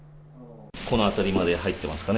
この辺りまで入ってますかね。